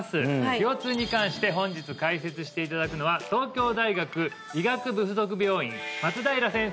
腰痛に関して本日解説していただくのは東京大学医学部附属病院松平先生